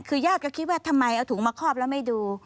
คือญาติก็คิดว่าทำไมเอาถุงมาคอบแล้วไม่ดู